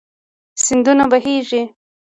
سيندونه بهيږي